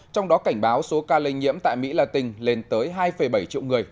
trong đó cảnh báo số ca lây nhiễm tại mỹ latin lên tới hai bảy triệu người